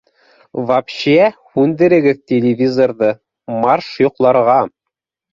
Вообще һүндерегеҙ телевизорҙы, марш йоҡларға!